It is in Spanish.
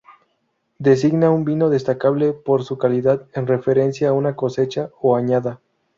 Designa un vino destacable por su calidad, en referencia a una cosecha o añada.